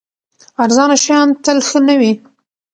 ارزانه شیان تل ښه نه وي.